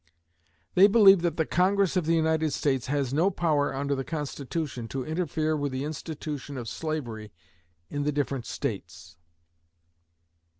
They believe that the Congress of the United States has no power, under the Constitution, to interfere with the institution of slavery in the different States.